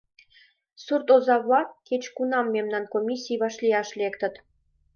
Сурт оза-влак кеч кунамат мемнан комиссийым вашлияш лектыт.